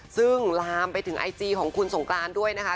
ซึ่งลามไปถึงไอจีของคุณสงกรานด้วยนะคะ